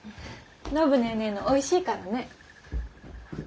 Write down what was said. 暢ネーネーのおいしいからねぇ。